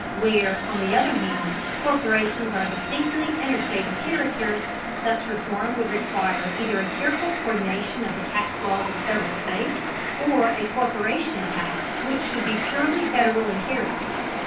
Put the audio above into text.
Where, on the other hand, corporations are distinctly interstate in character, such reform would require either a careful co÷rdination of the tax laws of the several states, or a corporation tax which should be purely Federal in character.